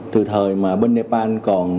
từ thời mà bên nepal